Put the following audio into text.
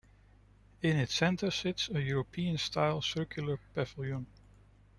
In its center sits a European-style circular pavilion.